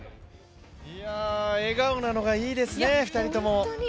笑顔なのがいいですね、２人とも。